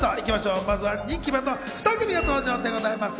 まずは人気バンド２組の登場でございます。